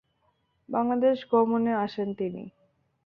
বাংলাদেশ গমনে আসেন তিনি।